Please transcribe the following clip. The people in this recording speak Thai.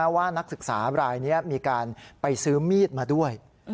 ว่านักศึกษารายนี้มีการไปซื้อมีดมาด้วย